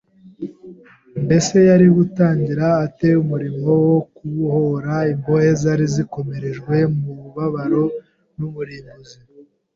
Mbese yari gutangira ate umurimo wo kubohora imbohe zari zikomerejwe mu mubabaro n’umurimbuzi.